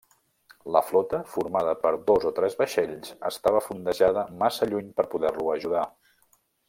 La flota, formada per dos o tres vaixells, estava fondejada massa lluny per poder-lo ajudar.